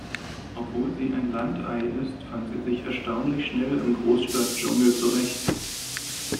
Obwohl sie ein Landei ist, fand sie sich erstaunlich schnell im Großstadtdschungel zurecht.